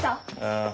ああ。